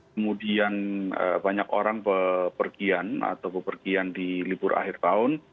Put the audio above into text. kemudian banyak orang pepergian atau bepergian di libur akhir tahun